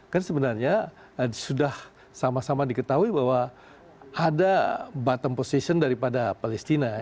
kan sebenarnya sudah sama sama diketahui bahwa ada bottom position daripada palestina